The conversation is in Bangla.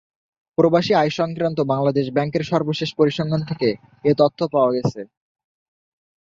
প্রবাসী আয় সংক্রান্ত বাংলাদেশ ব্যাংকের সর্বশেষ পরিসংখ্যান থেকে এ তথ্য পাওয়া গেছে।